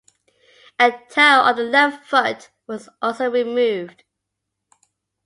A toe on the left foot was also removed.